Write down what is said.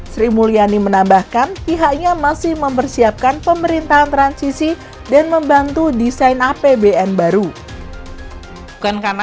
sri mulyani menambahkan pihaknya masih mempersiapkan pemerintahan transisi dan membantu desain apbn baru